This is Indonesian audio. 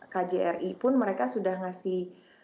kjri pun mereka sudah ngasih